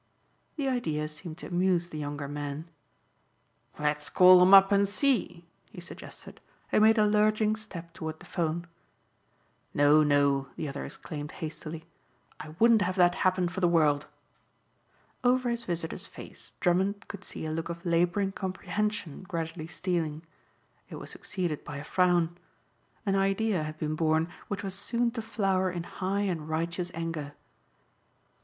The idea seemed to amuse the younger man. "Let's call 'em up and see," he suggested and made a lurching step toward the phone. "No, no," the other exclaimed hastily, "I wouldn't have that happen for the world." Over his visitor's face Drummond could see a look of laboring comprehension gradually stealing. It was succeeded by a frown. An idea had been born which was soon to flower in high and righteous anger.